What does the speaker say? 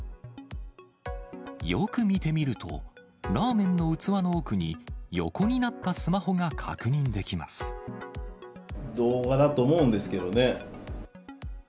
よく見てみると、ラーメンの器の奥に、動画だと思うんですけどね。